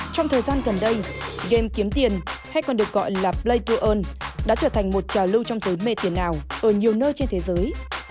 trong thời gian gần đây game kiếm tiền hay còn được gọi là play to earn đã trở thành một trà lưu trong giới mê tiền nào ở nhiều nơi trên thế giới